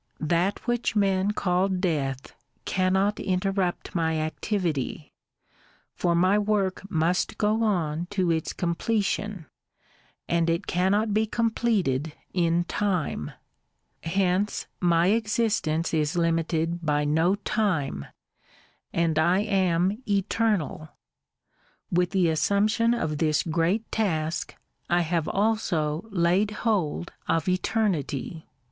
That which men call Death cannot interrupt my activity; for my work must go on to its completion, and it cannot be completed in Time; — hence my existence is limited by no Time, and 1 am Eternal: — with the assumption of this great task, I have also laid hold of Eternity.